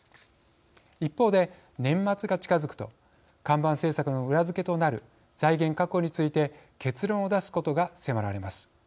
一方で、年末が近づくと看板政策の裏付けとなる財源確保について結論を出すことが迫られます。